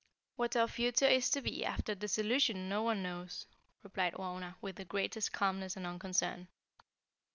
"What our future is to be after dissolution no one knows," replied Wauna, with the greatest calmness and unconcern.